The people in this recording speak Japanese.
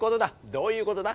どういうことだ？